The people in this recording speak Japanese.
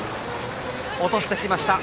落としてきました。